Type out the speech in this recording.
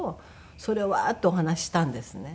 それをワーッとお話ししたんですね。